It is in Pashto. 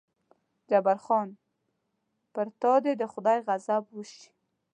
جبار خان: پر تا دې د خدای غضب وشي.